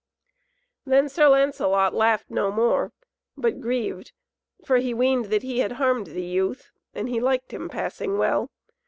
Then Sir Lancelot laughed no more, but grieved, for he weened that he had harmed the youth, and he liked him passing well.